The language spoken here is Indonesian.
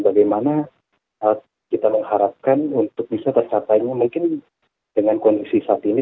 bagaimana kita mengharapkan untuk bisa tercapainya mungkin dengan kondisi saat ini